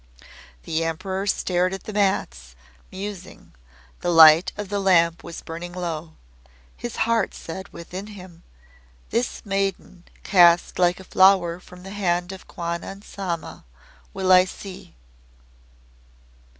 The Emperor stared at the mats, musing the light of the lamp was burning low. His heart said within him; "This maiden, cast like a flower from the hand of Kwannon Sama, will I see."